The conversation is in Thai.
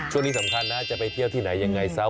ช่วงนี้สำคัญนะจะไปเที่ยวที่ไหนยังไงซะ